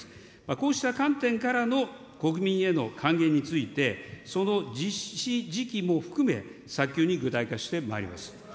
こうした観点からの国民への還元について、その実施時期も含め、早急に具体化してまいります。